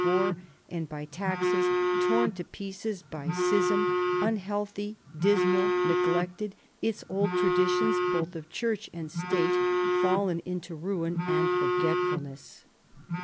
war and by taxes, torn to pieces by schism, unhealthy, dismal, neglected, its old traditions, both of Church and State, fallen into ruin and forgetfulness.